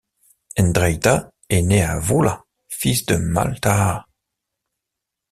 Ndraita est né à Woula, fils de Malhtaa.